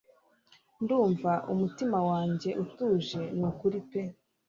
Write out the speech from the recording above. ndumva umutima wanjye utuje nukuri pe